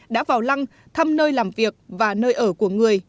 đã vào lăng thăm nơi làm việc và nơi ở của người